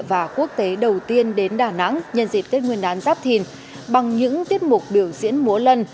và quốc tế đầu tiên đến đà nẵng nhân dịp tết nguyên đán giáp thìn bằng những tiết mục biểu diễn múa lân